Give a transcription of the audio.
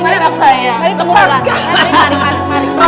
mari tunggu di luar